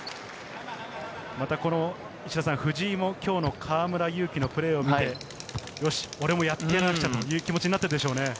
藤井も今日の河村勇輝のプレーを見て、よし俺もやってやろうっていう気持ちになってるでしょうね。